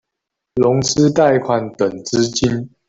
融資貸款等資金